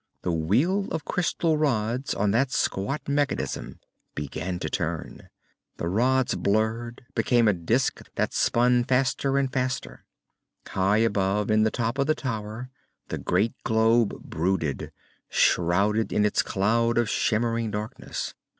The wheel of crystal rods on that squat mechanism began to turn. The rods blurred, became a disc that spun faster and faster. High above in the top of the tower the great globe brooded, shrouded in its cloud of shimmering darkness.